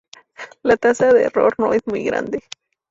La tasa de error no es muy grande.